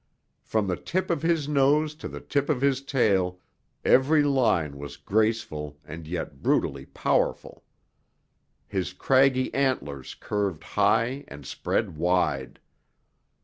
From the tip of his nose to the tip of his tail, every line was graceful and yet brutally powerful. His craggy antlers curved high and spread wide.